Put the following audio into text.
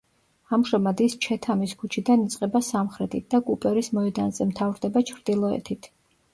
ამჟამად ის ჩეთამის ქუჩიდან იწყება სამხრეთით და კუპერის მოედანზე მთავრდება ჩრდილოეთით.